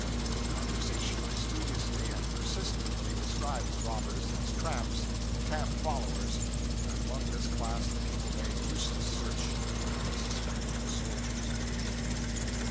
In conversation I studiously and persistently described the robbers as tramps, camp followers; and among this class the people made useless search, none suspecting the soldiers but me.